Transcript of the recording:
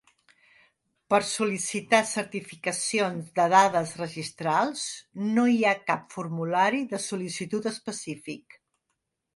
Per sol·licitar certificacions de dades registrals no hi ha cap formulari de sol·licitud específic.